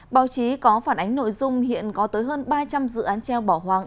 báo chí có phản ánh nội dung hiện có tới hơn ba trăm linh dự án treo bỏ hoang